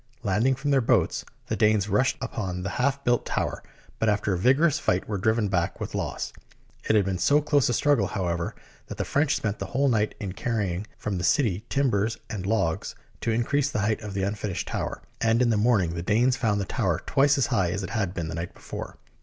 Landing from their boats, the Danes rushed upon the half built tower, but after a vigorous fight, were driven back with loss. It had been so close a struggle, however, that the French spent the whole night in carrying from the city timbers and logs to increase the height of the unfinished tower, and in the morning the Danes found the tower twice as high as it had been the night before.